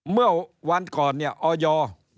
เมื่อวันก่อนเนี่ยออยออดูใจมากครับ